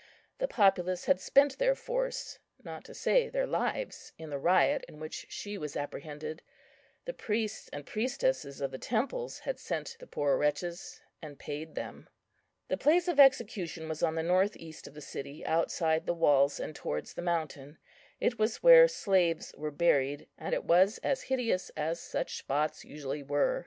The populace had spent their force, not to say their lives, in the riot in which she was apprehended. The priests and priestesses of the temples had sent the poor wretches and paid them. The place of execution was on the north east of the city, outside the walls, and towards the mountain. It was where slaves were buried, and it was as hideous as such spots usually were.